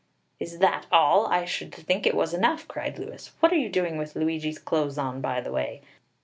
"Is that all? I should think it was enough," cried Louis. "What are you doing with Luigi's clothes on, by the way?